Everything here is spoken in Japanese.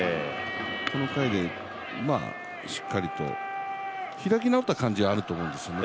この回でしっかりと、開き直った感じはあると思うんですね。